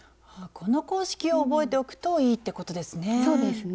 この公式を覚えておくといいってことですね。